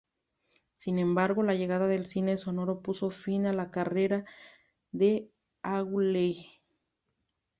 Sin embargo, la llegada del cine sonoro puso fin a la carrera de Hawley.